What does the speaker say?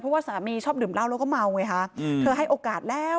เพราะว่าสามีชอบดื่มเหล้าแล้วก็เมาไงคะเธอให้โอกาสแล้ว